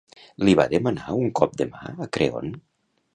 Li va demanar un cop de mà a Creont?